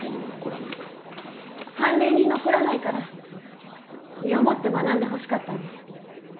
判例に残らないから身をもって学んでほしかったんです。